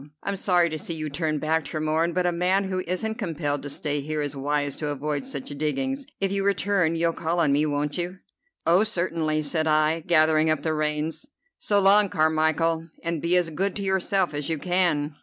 I'm sorry to see you turn back, Tremorne, but a man who isn't compelled to stay here is wise to avoid such diggings. If you return you'll call on me, won't you?" "Oh, certainly," said I, gathering up the reins. "So long, Carmichel, and be as good to yourself as you can."